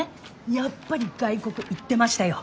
やっぱり外国行ってましたよ。